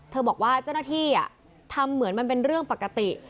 บอกว่าเจ้าหน้าที่ทำเหมือนมันเป็นเรื่องปกติ